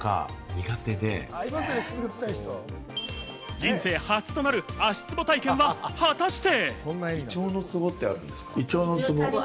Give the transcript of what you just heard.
人生初となる足つぼ体験は果たして？